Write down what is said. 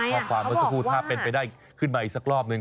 ข้อความเมื่อสักครู่ถ้าเป็นไปได้ขึ้นมาอีกสักรอบหนึ่ง